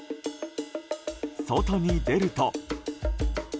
外に出ると。